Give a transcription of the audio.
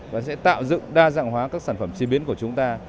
và sẽ tạo dựng đa dạng hóa các sản phẩm chế biến của chúng ta